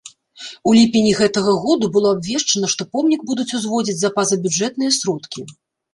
У ліпені гэтага году было абвешчана, што помнік будуць узводзіць за пазабюджэтныя сродкі.